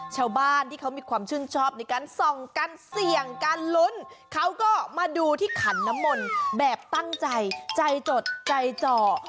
ชาวบ้านที่เขามีความชื่นชอบในการส่องกันเสี่ยงการลุ้นเขาก็มาดูที่ขันน้ำมนต์แบบตั้งใจใจจดใจจ่อ